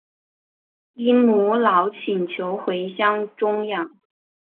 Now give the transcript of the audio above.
因母老请求回乡终养。